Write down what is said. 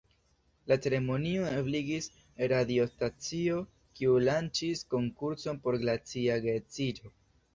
La ceremonion ebligis radiostacio, kiu lanĉis konkurson por glacia geedziĝo.